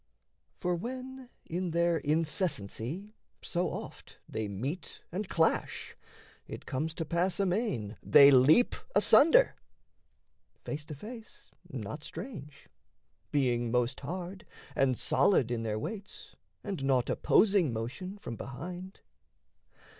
For, when, in their incessancy so oft They meet and clash, it comes to pass amain They leap asunder, face to face: not strange Being most hard, and solid in their weights, And naught opposing motion, from behind.